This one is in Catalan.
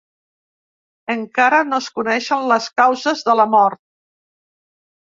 Encara no es coneixen les causes de la mort.